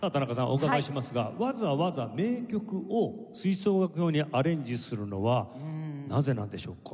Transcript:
お伺いしますがわざわざ名曲を吹奏楽用にアレンジするのはなぜなんでしょうか？